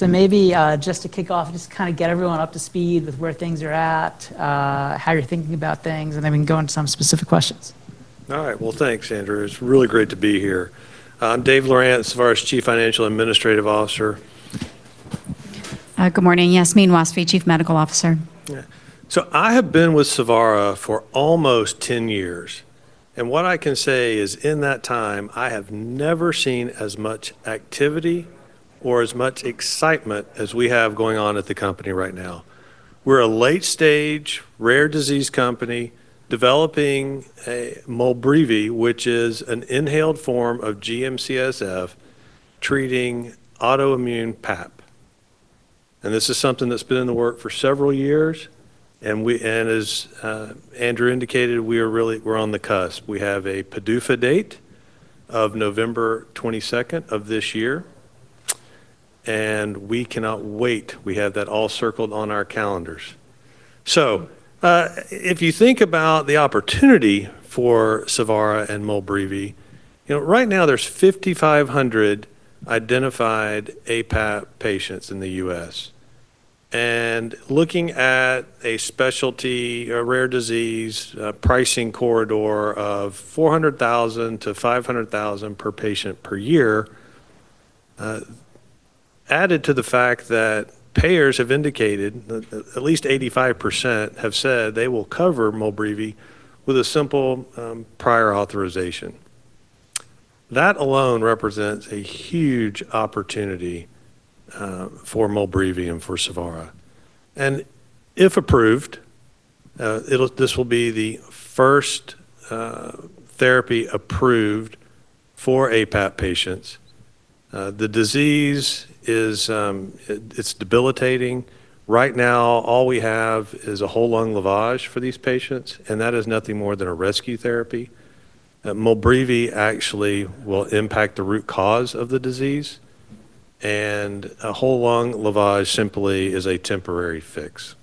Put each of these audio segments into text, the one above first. Maybe, just to kick off and just kind of get everyone up to speed with where things are at, how you're thinking about things, and then we can go into some specific questions. All right. Well, thanks, Andrew. It's really great to be here. I'm Dave Lowrance, Savara Chief Financial Administrative Officer. Good morning. Yasmine Wasfi, Chief Medical Officer. I have been with Savara for almost 10 years, and what I can say is in that time, I have never seen as much activity or as much excitement as we have going on at the company right now. We're a late-stage rare disease company developing MOLBREEVI, which is an inhaled form of GM-CSF treating autoimmune PAP. This is something that's been in the work for several years, and as Andrew indicated, we're on the cusp. We have a PDUFA date of November 22nd of this year, and we cannot wait. We have that all circled on our calendars. If you think about the opportunity for Savara and MOLBREEVI, you know, right now there's 5,500 identified aPAP patients in the U.S. Looking at a specialty, a rare disease, a pricing corridor of $400,000-$500,000 per patient per year, added to the fact that payers have indicated that 85% have said they will cover MOLBREEVI with a simple prior authorization. That alone represents a huge opportunity for MOLBREEVI and for Savara. If approved, this will be the first therapy approved for aPAP patients. The disease is, it's debilitating. Right now, all we have is a whole lung lavage for these patients, and that is nothing more than a rescue therapy. MOLBREEVI actually will impact the root cause of the disease, and a whole lung lavage simply is a temporary fix.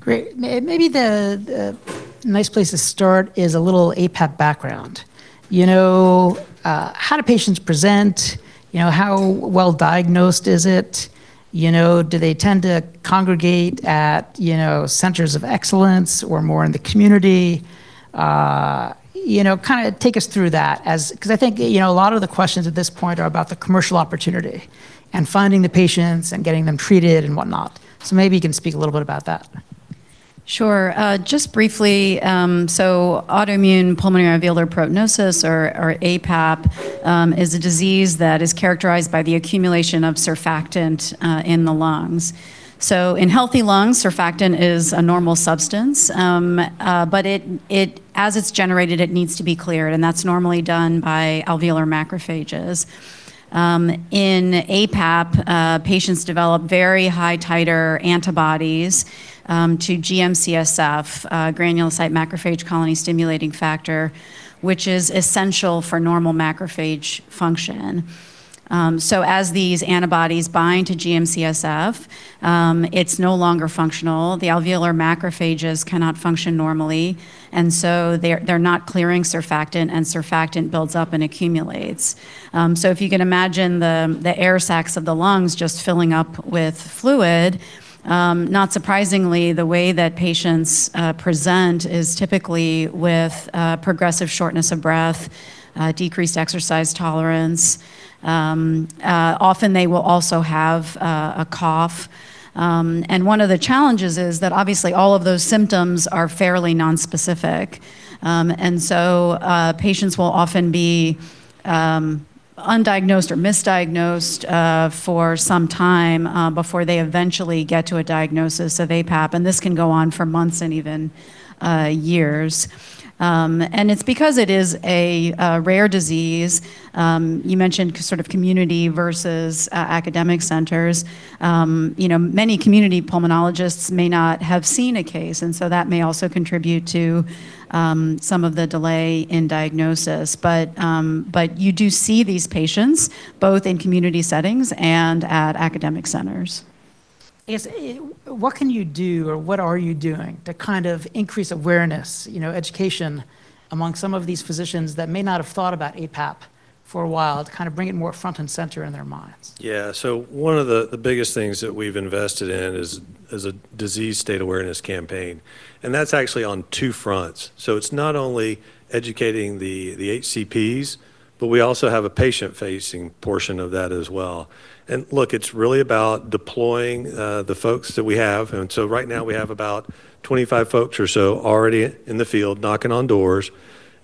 Great. Maybe the nice place to start is a little aPAP background. You know, how do patients present? You know, how well diagnosed is it? You know, do they tend to congregate at, you know, centers of excellence or more in the community? You know, kinda take us through that as 'Cause I think, you know, a lot of the questions at this point are about the commercial opportunity and finding the patients and getting them treated and whatnot. Maybe you can speak a little bit about that. Sure. Just briefly, autoimmune pulmonary alveolar proteinosis or aPAP, is a disease that is characterized by the accumulation of surfactant in the lungs. In healthy lungs, surfactant is a normal substance, but as it's generated, it needs to be cleared, and that's normally done by alveolar macrophages. In aPAP, patients develop very high titer antibodies to GM-CSF, granulocyte-macrophage colony-stimulating factor, which is essential for normal macrophage function. As these antibodies bind to GM-CSF, it's no longer functional. The alveolar macrophages cannot function normally; they're not clearing surfactant, and surfactant builds up and accumulates. If you can imagine the air sacs of the lungs just filling up with fluid, not surprisingly, the way that patients present is typically with progressive shortness of breath, decreased exercise tolerance. Often, they will also have a cough. One of the challenges is that, obviously, all of those symptoms are fairly nonspecific. Patients will often be undiagnosed or misdiagnosed for some time before they eventually get to a diagnosis of aPAP, and this can go on for months and even years. It's because it is a rare disease, you mentioned, sort of community versus academic centers. You know, many community pulmonologists may not have seen a case, so that may also contribute to some of the delay in diagnosis. You do see these patients both in community settings and at academic centers. Yes. What can you do or what are you doing to kind of increase awareness, you know, education among some of these physicians that may not have thought about aPAP for a while to kind of bring it more front and center in their minds? Yeah. One of the biggest things that we've invested in is a disease state awareness campaign, and that's actually on two fronts. It's not only educating the HCPs, but we also have a patient-facing portion of that as well. Look, it's really about deploying the folks that we have. Right now, we have about 25 folks or so already in the field knocking on doors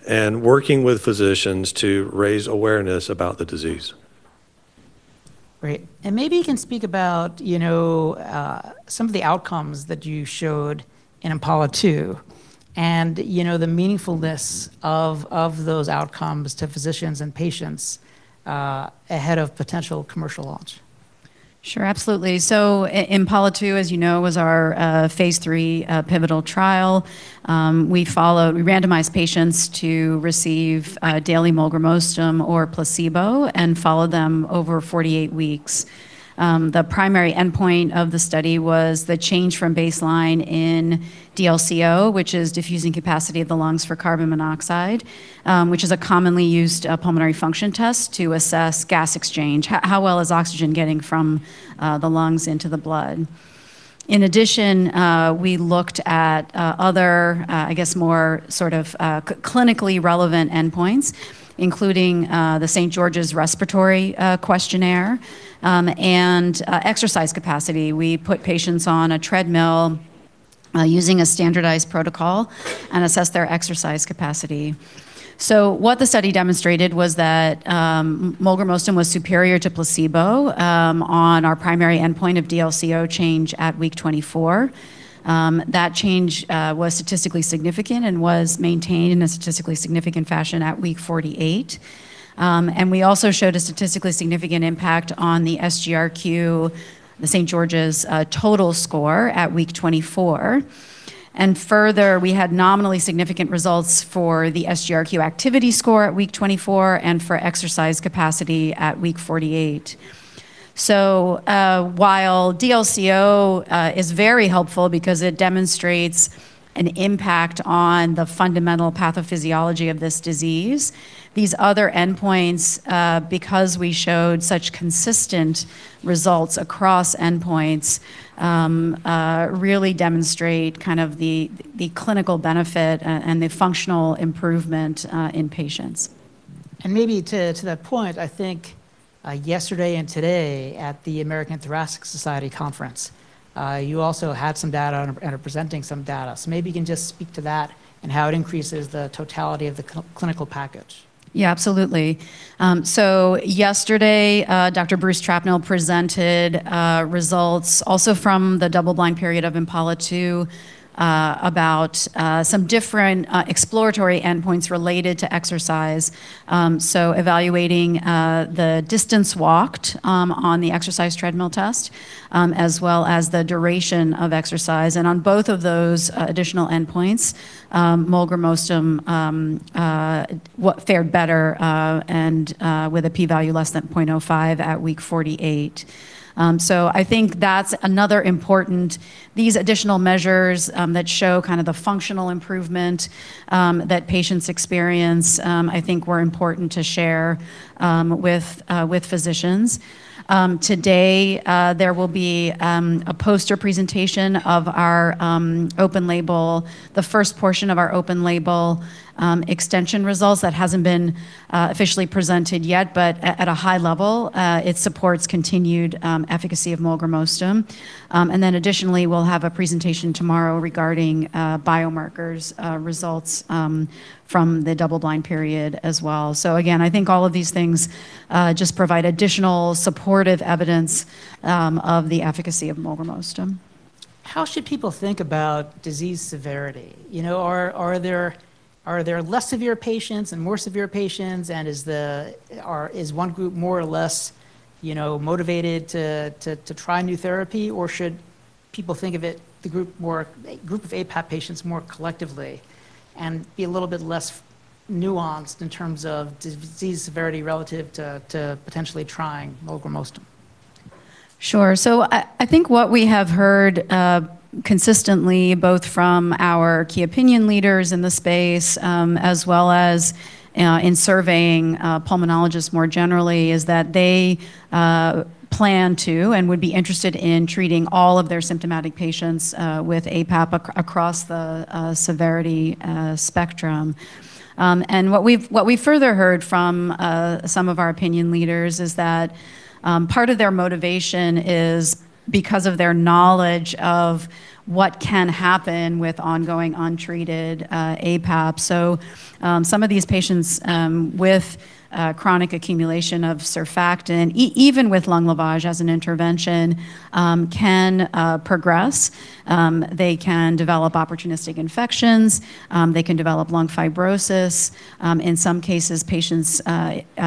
and working with physicians to raise awareness about the disease. Great. Maybe you can speak about, you know, some of the outcomes that you showed in IMPALA-2, and, you know, the meaningfulness of those outcomes to physicians and patients, ahead of potential commercial launch. Sure. Absolutely. IMPALA-2, as you know, was our phase III pivotal trial. We randomized patients to receive daily molgramostim or placebo and followed them over 48 weeks. The primary endpoint of the study was the change from baseline in DLco, which is diffusing capacity of the lungs for carbon monoxide, which is a commonly used pulmonary function test to assess gas exchange. How well is oxygen getting from the lungs into the blood? In addition, we looked at other, I guess, more sort of clinically relevant endpoints, including the St. George's Respiratory Questionnaire, and exercise capacity. We put patients on a treadmill, using a standardized protocol and assessed their exercise capacity. What the study demonstrated was that molgramostim was superior to placebo on our primary endpoint of DLco change at week 24. That change was statistically significant and was maintained in a statistically significant fashion at week 48. We also showed a statistically significant impact on the SGRQ, the St. George's total score at week 24. Further, we had nominally significant results for the SGRQ activity score at week 24 and for exercise capacity at week 48. While DLco is very helpful because it demonstrates an impact on the fundamental pathophysiology of this disease, these other endpoints, because we showed such consistent results across endpoints, really demonstrate kind of the clinical benefit and the functional improvement in patients. To that point, I think yesterday and today at the American Thoracic Society conference, you also had some data and are presenting some data. Maybe you can just speak to that and how it increases the totality of the clinical package. Yeah, absolutely. Yesterday, Dr. Bruce Trapnell presented results also from the double-blind period of IMPALA-2 about some different exploratory endpoints related to exercise. Evaluating the distance walked on the exercise treadmill test, as well as the duration of exercise. On both of those additional endpoints, molgramostim fared better with a p-value less than 0.05 at week 48. These additional measures that show kind of the functional improvement that patients experience, I think, were important to share with physicians. Today, there will be a poster presentation of our the first portion of our open-label extension results that hasn't been officially presented yet. At a high level, it supports continued efficacy of molgramostim. Additionally, we'll have a presentation tomorrow regarding biomarkers results from the double-blind period as well. Again, I think all of these things just provide additional supportive evidence of the efficacy of molgramostim. How should people think about disease severity? You know, are there less severe patients and more severe patients, and is one group more or less, you know, motivated to try a new therapy? Should people think of it, a group of aPAP patients more collectively and be a little bit less nuanced in terms of disease severity relative to potentially trying molgramostim? Sure. I think what we have heard consistently, both from our key opinion leaders in the space, as well as in surveying pulmonologists more generally, is that they plan to and would be interested in treating all of their symptomatic patients with aPAP across the severity spectrum. What we further heard from some of our opinion leaders is that part of their motivation is because of their knowledge of what can happen with ongoing untreated aPAP. Some of these patients, with chronic accumulation of surfactant even with whole lung lavage as an intervention, can progress. They can develop opportunistic infections. They can develop lung fibrosis. In some cases, patients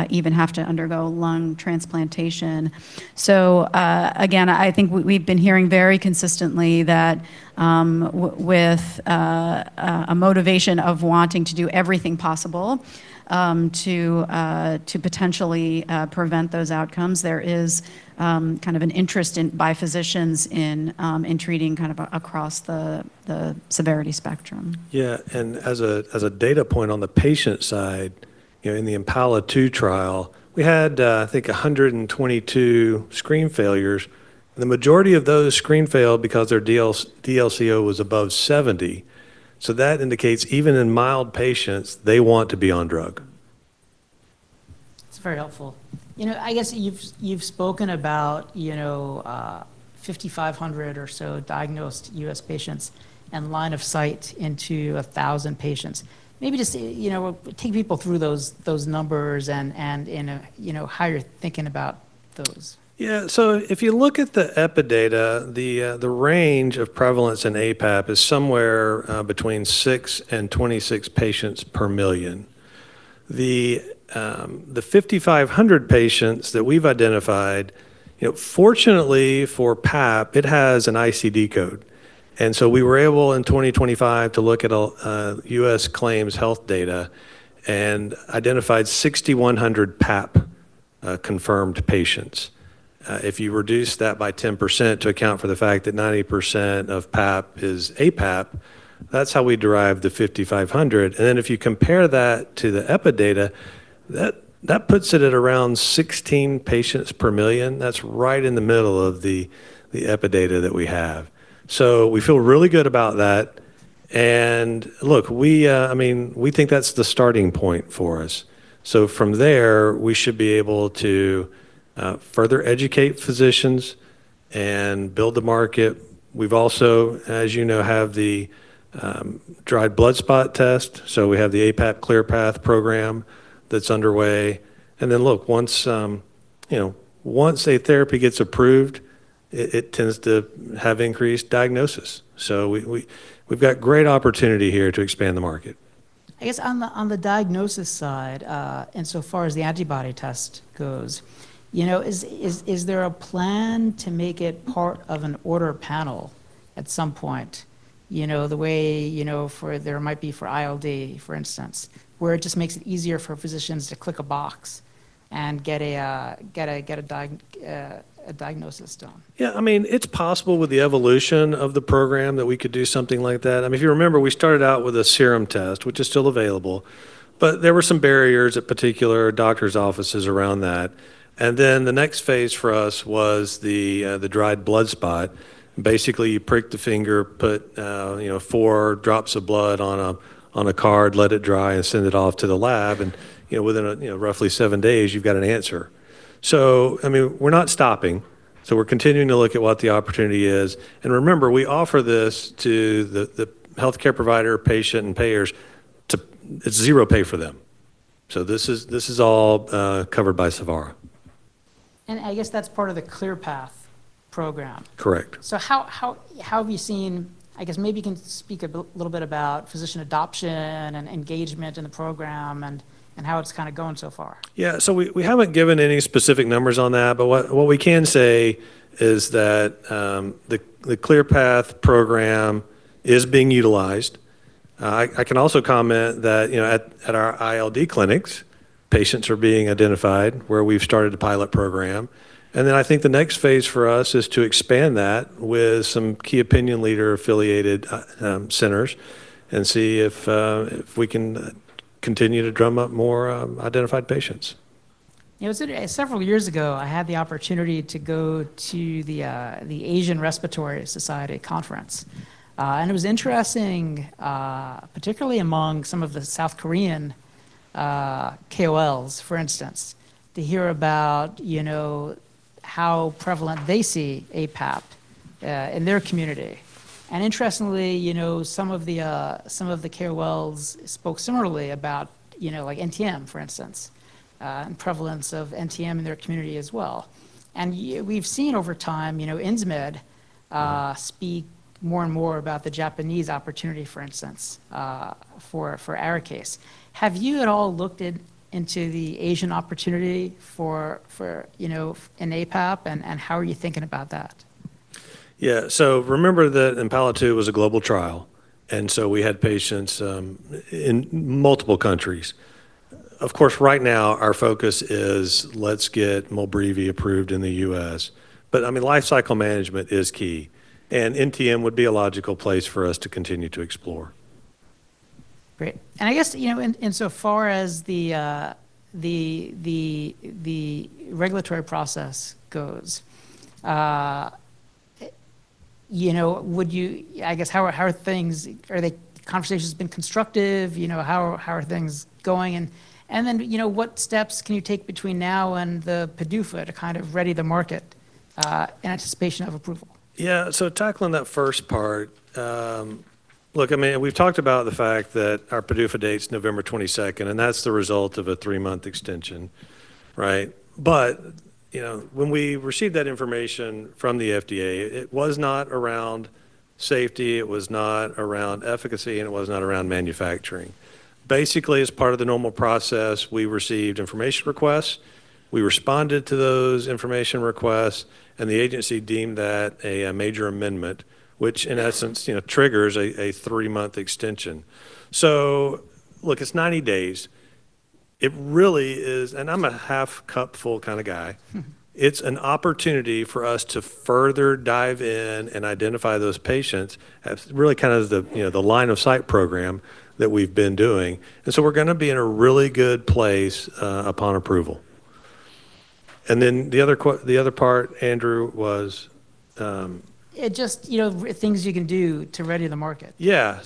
even have to undergo lung transplantation. Again, I think we've been hearing very consistently that, with a motivation of wanting to do everything possible to potentially prevent those outcomes, there is kind of an interest by physicians in treating kind of across the severity spectrum. Yeah. As a data point on the patient side, you know, in the IMPALA-2 trial, we had, I think, 122 screen failures. The majority of those screen failed because their DLco was above 70. That indicates even in mild patients, they want to be on drug. That's very helpful. You know, I guess you've spoken about, you know, 5,500 or so diagnosed U.S. patients and line of sight into 1,000 patients. Maybe just, you know, take people through those numbers and in a, you know, how you're thinking about those. Yeah. If you look at the epi data, the range of prevalence in aPAP is somewhere between six and 26 patients per million. The 5,500 patients that we've identified, you know, fortunately for PAP, it has an ICD code. We were able, in 2025, to look at a U.S. claims health data and identified 6,100 PAP confirmed patients. If you reduce that by 10% to account for the fact that 90% of PAP is aPAP, that's how we derive the 5,500. If you compare that to the epi data, that puts it at around 16 patients per million. That's right in the middle of the epi data that we have. We feel really good about that. Look, we, I mean, we think that's the starting point for us. From there, we should be able to further educate physicians and build the market. We've also, as you know, have the dried blood spot test. We have the aPAP ClearPath program that's underway. Look, once you know, once a therapy gets approved, it tends to have increased diagnosis. We've got great opportunity here to expand the market. I guess on the diagnosis side, and so far as the antibody test goes, you know, is there a plan to make it part of an order panel at some point? You know, the way, you know, for there might be, for ILD, for instance, where it just makes it easier for physicians to click a box and get a diagnosis done. Yeah, I mean, it's possible with the evolution of the program that we could do something like that. I mean, if you remember, we started out with a serum test, which is still available; there were some barriers at particular doctors' offices around that. The next phase for us was the dried blood spot. Basically, you prick the finger, put, you know, four drops of blood on a card, let it dry, and send it off to the lab. You know, within a, you know, roughly seven days, you've got an answer. I mean, we're not stopping, so we're continuing to look at what the opportunity is. Remember, we offer this to the healthcare provider, patient, and payers. It's zero pay for them. This is all covered by Savara. I guess that's part of the ClearPath program. Correct. How have you seen I guess maybe you can speak a little bit about physician adoption and engagement in the program, and how it's kinda going so far? We haven't given any specific numbers on that, but what we can say is that the ClearPath program is being utilized. I can also comment that, you know, at our ILD clinics, patients are being identified where we've started a pilot program. I think the next phase for us is to expand that with some key opinion leader-affiliated centres and see if we can continue to drum up more identified patients. You know, several years ago, I had the opportunity to go to the Asian Respiratory Society conference. It was interesting, particularly among some of the South Korean KOLs, for instance, to hear about, you know, how prevalent they see aPAP in their community. Interestingly, you know, some of the KOLs spoke similarly about, you know, like NTM, for instance, and prevalence of NTM in their community as well. We've seen over time, you know, Insmed speak more and more about the Japanese opportunity, for instance, for ARIKAYCE. Have you at all looked into the Asian opportunity for, you know, in aPAP? How are you thinking about that? Remember that IMPALA-2 was a global trial, and so we had patients in multiple countries. Of course, right now our focus is let's get MOLBREEVI approved in the U.S. I mean, life cycle management is key, and NTM would be a logical place for us to continue to explore. Great. I guess, you know, insofar as the regulatory process goes, you know, how are things? Are the conversations been constructive? You know, how are things going? Then, you know, what steps can you take between now and the PDUFA to kind of ready the market in anticipation of approval? Tackling that first part, look, I mean, we've talked about the fact that our PDUFA date's November 22nd, and that's the result of a three-month extension, right? You know, when we received that information from the FDA, it was not around safety, it was not around efficacy, and it was not around manufacturing. Basically, as part of the normal process, we received information requests, we responded to those information requests, and the agency deemed that a major amendment, which, in essence, you know, triggers a three-month extension. Look, it's 90 days. It really is, and I'm a half cup full kinda guy. It's an opportunity for us to further dive in and identify those patients as really kind of the, you know, the line of sight program that we've been doing. We're gonna be in a really good place upon approval. The other part, Andrew. Just, you know, things you can do to ready the market. Yeah.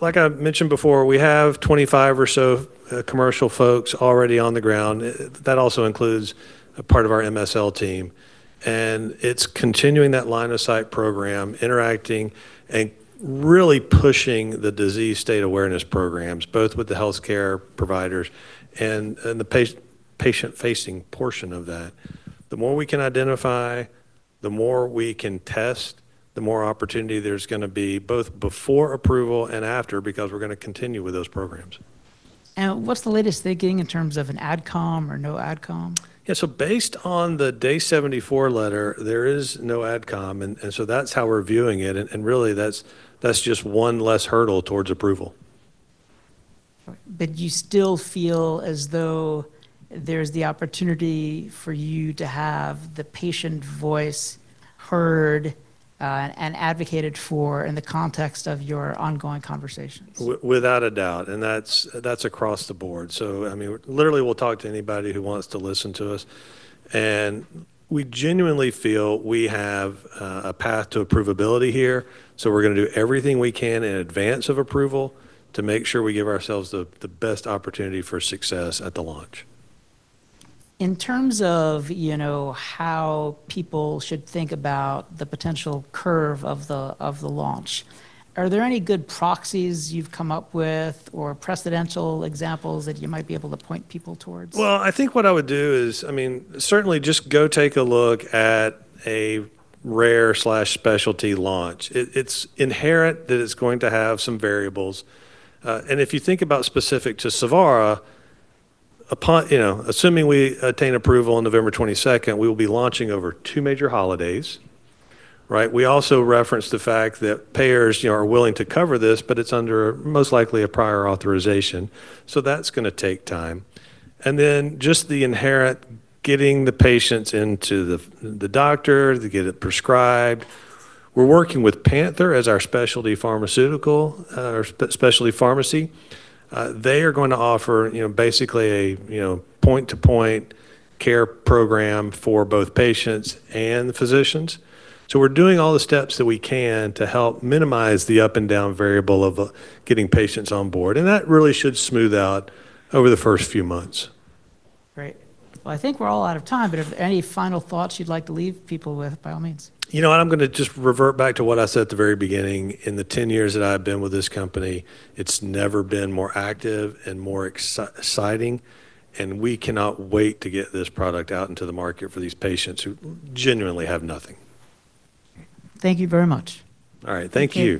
Like I mentioned before, we have 25 or so commercial folks already on the ground. That also includes a part of our MSL team, it's continuing that line of sight program, interacting and really pushing the disease state awareness programs, both with the healthcare providers and the patient-facing portion of that. The more we can identify, the more we can test, the more opportunity there's gonna be both before approval and after, because we're gonna continue with those programs. What's the latest thinking in terms of an AdCom or no AdCom? Yeah. Based on the Day 74 letter, there is no AdCom, and so that's how we're viewing it. Really, that's just one less hurdle towards approval. You still feel as though there's the opportunity for you to have the patient voice heard and advocated for in the context of your ongoing conversations. Without a doubt, that's across the board. I mean, literally, we'll talk to anybody who wants to listen to us. We genuinely feel we have a path to approvability here. We're gonna do everything we can in advance of approval to make sure we give ourselves the best opportunity for success at the launch. In terms of, you know, how people should think about the potential curve of the, of the launch, are there any good proxies you've come up with or precedential examples that you might be able to point people towards? Well, I think what I would do is, I mean, certainly just go take a look at a rare/specialty launch. It's inherent that it's going to have some variables. If you think about specific to Savara, upon you know, assuming we attain approval on November 22nd, we will be launching over two major holidays, right? We also referenced the fact that payers, you know, are willing to cover this, but it's under most likely a prior authorization, that's going to take time. Then just the inherent getting the patients into the doctor to get it prescribed. We're working with PANTHERx as our specialty pharmaceutical, or specialty pharmacy. They are going to offer, you know, basically a, you know, point to point care program for both patients and the physicians. We're doing all the steps that we can to help minimize the up and down variable of getting patients on board, and that really should smooth out over the first few months. Great. Well, I think we're all out of time, but if any final thoughts you'd like to leave people with, by all means. You know what, I'm gonna just revert back to what I said at the very beginning. In the 10 years that I've been with this company, it's never been more active and more exciting, and we cannot wait to get this product out into the market for these patients who genuinely have nothing. Thank you very much. All right. Thank you.